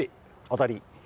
当たり。